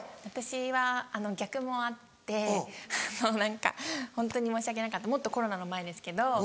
私は逆もあってあの何かホントに申し訳なかったもっとコロナの前ですけど。